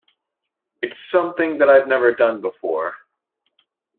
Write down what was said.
It's something that I've never done before.